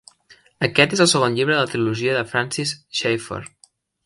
Aquest és el segon llibre de la Trilogia de Francis Schaeffer.